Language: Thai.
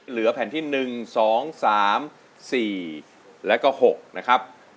เหลือแผ่นที่๑๒๓๔แล้วก็๖นะครับ